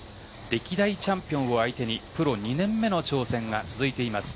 歴代チャンピオンを相手にプロ２年目の挑戦が続いています。